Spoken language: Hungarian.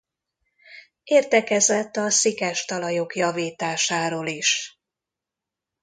Értekezett a szikes talajok javításáról is.